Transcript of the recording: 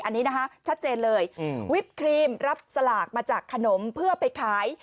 อันนี้นะคะชัดเจนเลยวิปครีมรับสลากมาจากขนมเพื่อไปขาย